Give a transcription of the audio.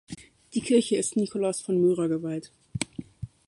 Die Kirche ist Nikolaus von Myra geweiht.